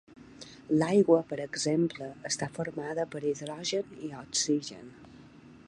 L'aigua, per exemple, està formada per hidrogen i oxigen.